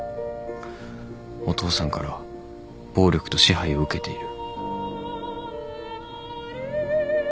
お父さんから暴力と支配を受けている。